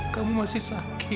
kamu masih sakit